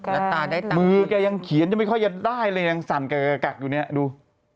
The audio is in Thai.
คือแกยังเขียนจะไม่ค่อยได้เลยยังสั่นกระกะอยู่นี่ดู